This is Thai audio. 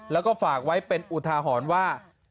แล้วก็ฝากไว้เป็นอุทาหรณ์ว่า